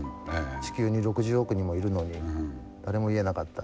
地球に６０億人もいるのに誰も言えなかった。